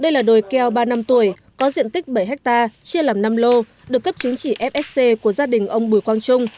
đây là đồi keo ba năm tuổi có diện tích bảy hectare chia làm năm lô được cấp chứng chỉ fsc của gia đình ông bùi quang trung